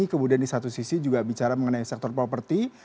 kemudian di satu sisi juga bicara mengenai sektor properti